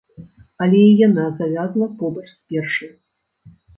Але і яна завязла побач з першай.